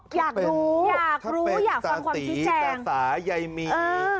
ถ้าเป็นถ้าเป็นซาติซาสาใยมี